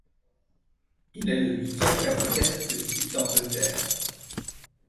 Il est le huitième capitaine de l’équipe d’Angleterre.